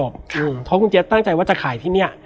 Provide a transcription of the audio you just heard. เพราะคุณเจี๊ยตั้งใจว่าจะขายที่นี่